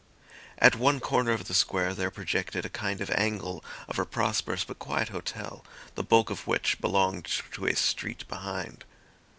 At one corner of the square there projected a kind of angle of a prosperous but quiet hotel, the bulk of which belonged to a street behind.